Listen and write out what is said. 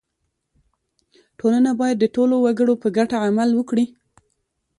• ټولنه باید د ټولو وګړو په ګټه عمل وکړي.